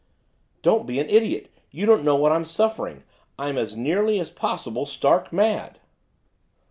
'Don't be an idiot! you don't know what I'm suffering! I'm as nearly as possible stark mad.